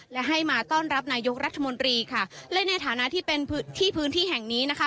และให้มาต้อนรับนายกรัฐมนตรีค่ะและในฐานะที่เป็นพื้นที่พื้นที่แห่งนี้นะคะ